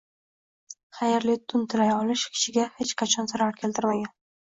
xayrli tun tilay olish kishiga hech qachon zarar keltirmagan.